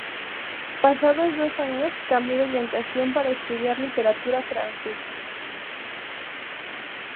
Pasados dos años cambió de orientación para estudiar literatura francesa.